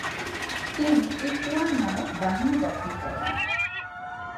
তিনি ইখওয়ান নামক বাহিনী গঠন করেন।